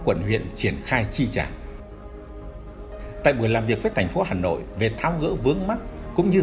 quận huyện triển khai chi trả tại buổi làm việc với thành phố hà nội về thao ngỡ vướng mắt cũng như